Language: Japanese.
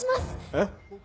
えっ？